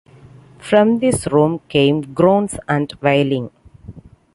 From this room came groans and wailing.